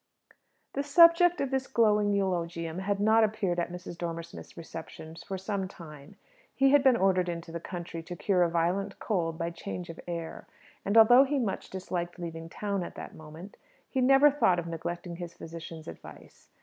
The subject of this glowing eulogium had not appeared at Mrs. Dormer Smith's receptions for some time. He had been ordered into the country, to cure a violent cold by change of air; and although he much disliked leaving town at that moment, he never thought of neglecting his physician's advice.